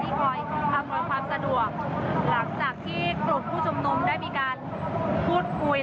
คอยอำนวยความสะดวกหลังจากที่กลุ่มผู้ชุมนุมได้มีการพูดคุย